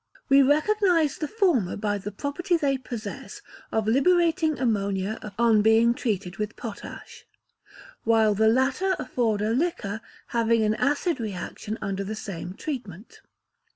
We recognise the former by the property they possess of liberating ammonia on being treated with potash; while the latter afford a liquor having an acid reaction under the same treatment.